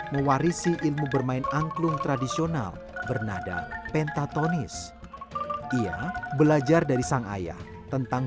mewarisi ilmu bermain angklung tradisional bernada pentatonis ia belajar dari sang ayah tentang